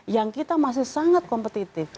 yang kita masih sangat kompetitif